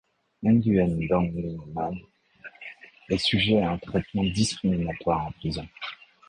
Nguyễn Đặng Minh Mẫn est sujet à un traitement discriminatoire en prison.